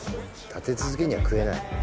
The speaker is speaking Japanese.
立て続けには食えないもんな